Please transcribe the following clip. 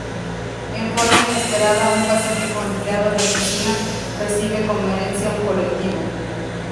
En forma inesperada un pacífico empleado de oficina recibe como herencia un colectivo.